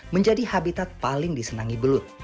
menjadi habitat paling disenangi belut